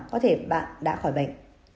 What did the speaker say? có thể bạn đã khỏi bệnh